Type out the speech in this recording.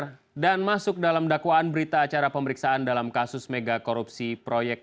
pemirsaan masuk dalam dakwaan berita acara pemeriksaan dalam kasus megakorupsi proyek